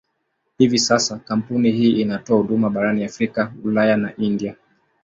Hivi sasa kampuni hii inatoa huduma barani Afrika, Ulaya na India.